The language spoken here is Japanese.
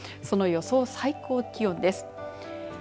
その予想最高気温です。